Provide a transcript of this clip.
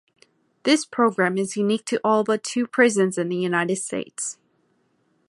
This program is unique to all but two prisons in the United States.